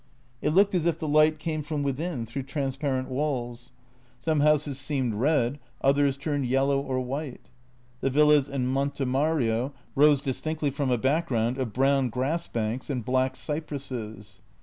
It looked as if the light came from within through transparent walls; some houses seemed red, others turned yellow or white. The villas in Monte Mario rose distinctly from a background of brown grassbanks and black cypresses.